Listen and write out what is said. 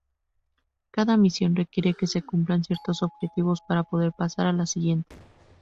Cada misión requiere que se cumplan ciertos objetivos para poder pasar a la siguiente.